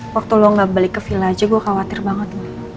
waktu lo gak beli ke villa aja gue khawatir banget